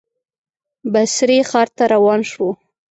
بصرې ښار ته روان شو.